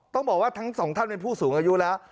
ต้องบอกว่าทั้งสองท่านเป็นผู้สูงอายุแล้ว